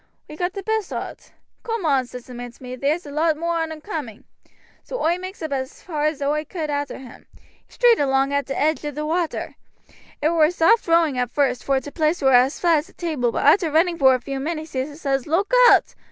"We got the best o't. 'Coom on,' says the man to me, 'there's a lot moor on 'em a cooming.' So oi makes off as hard as oi could arter him. He keeps straight along at t' edge o' t' water. It war soft rowing at first, vor t' place war as flat as a table, but arter running vor a vew minutes he says, 'Look owt!'